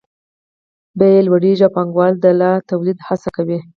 بیې لوړېږي او پانګوال د لا تولید هڅه کوي